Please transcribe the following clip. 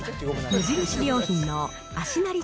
無印良品の足なり